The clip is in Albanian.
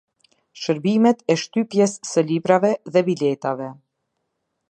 Shërbimet e shtypjes se librave dhe biletave